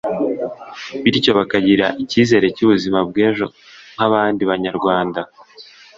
bityo bakagira icyizere cy’ubuzima bw’ejo nk’abandi Banyarwanda